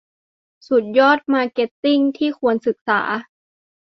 สุดยอดมาร์เก็ตติ้งที่ควรศึกษา